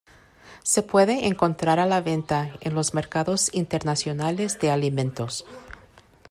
Se puede encontrar a la venta en los mercados internacionales de alimentos.